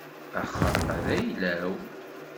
Axxam-a d ayla-w.